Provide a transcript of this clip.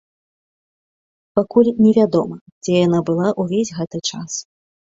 Пакуль невядома, дзе яна была ўвесь гэты час.